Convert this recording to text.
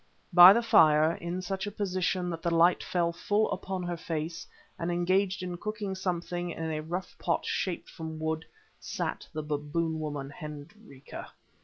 By the fire, and in such a position that the light fell full upon her face, and engaged in cooking something in a rough pot shaped from wood, sat the Baboon woman, Hendrika.